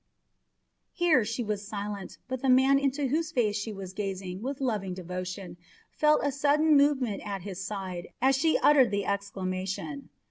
Here she was silent, but the man into whose face she was gazing with loving devotion felt a sudden movement at his side as she uttered the exclamation.